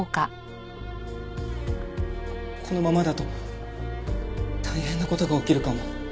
このままだと大変な事が起きるかも。